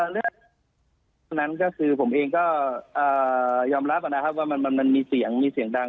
เรื่องเสียงดังนั้นก็คือผมเองก็ยอมรับนะครับว่ามันมีเสียงดัง